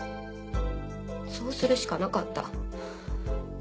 そうするしかなかった。